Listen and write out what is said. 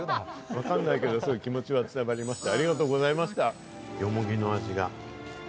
わかんないけれども、気持ちは伝わりました。